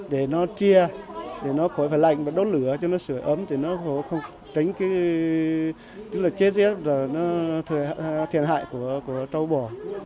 để nó chia để nó khỏi phải lạnh và đốt lửa cho nó sửa ấm để nó không tránh cái chết dết và thiền hại của trâu bò